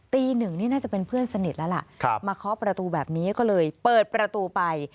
ตีหนึ่งนี่น่าจะเป็นเพื่อนสนิทแล้วล่ะมาเคาะประตูแบบนี้ก็เลยเปิดประตูไป